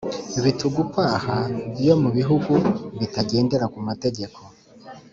bitugukwaha yo mu bihugu bitagendera ku mategeko.